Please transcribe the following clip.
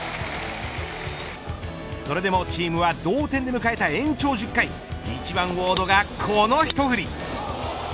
それでもチームは同点で迎えた延長１０回１番、ウォードがこのひと振り。